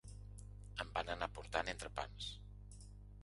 Em van anar portant entrepans.